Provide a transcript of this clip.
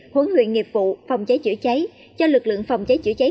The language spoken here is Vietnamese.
huấn luyện nghiệp vụ phòng cháy chữa cháy cho lực lượng phòng cháy chữa cháy